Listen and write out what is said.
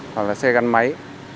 hoặc là xe gắn máy